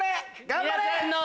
頑張れ！